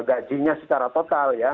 gajinya secara total ya